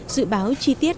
dự báo chi tiết đến ba km